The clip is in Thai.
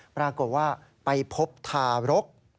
ปรากฏว่าไปพบทารก